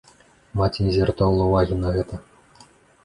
Маці не звяртала ўвагі на гэта.